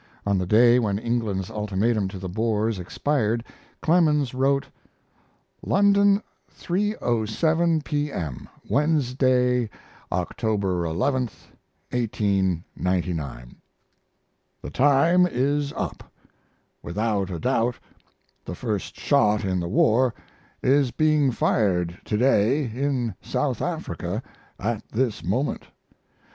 On the day when England's ultimatum to the Boers expired Clemens wrote: LONDON, 3.07 P.m., Wednesday, October 11, 1899. The time is up! Without a doubt the first shot in the war is being fired to day in South Africa at this moment.